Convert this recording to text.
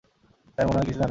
Sir মনে হয় কিছুই জানে না।